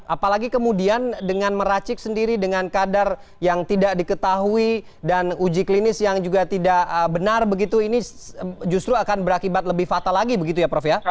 apalagi kemudian dengan meracik sendiri dengan kadar yang tidak diketahui dan uji klinis yang juga tidak benar begitu ini justru akan berakibat lebih fatal lagi begitu ya prof ya